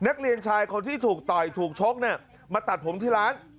นักเรียนชายคนที่ถูกต่อยถูกชกเนี่ยมาตัดผมที่ร้าน